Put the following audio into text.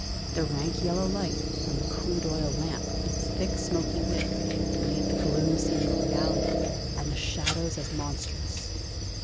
The rank yellow light from the crude oil lamp with thick smoky wick made the gloom seem a reality, and the shadows as monstrous.